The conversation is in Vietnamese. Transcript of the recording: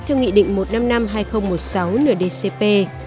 theo nghị định một trăm năm mươi năm hai nghìn một mươi sáu nửa dcp